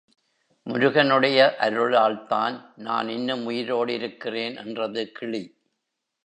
முருகனுடைய அருளால் தான் நான் இன்னும் உயிரோடிருக்கிறேன் என்றது கிளி.